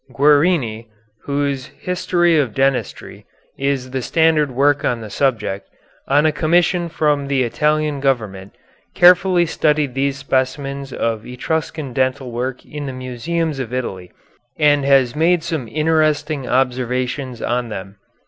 Guerini, whose "History of Dentistry" is the standard work on the subject, on a commission from the Italian government, carefully studied these specimens of Etruscan dental work in the museums of Italy, and has made some interesting observations on them.